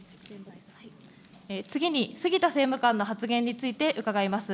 次に、杉田政務官の発言について伺います。